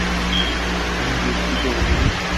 আমরা দুঃখিত, বন্ধু।